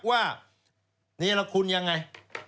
ว่าเนลคุณอย่างไร